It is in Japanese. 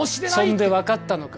そんで分かったのか？